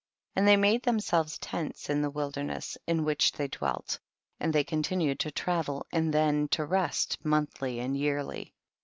19. And they made themselves tents in the wilderness, in which they dwelt, and they continued to travel and then to rest monthly and yearly.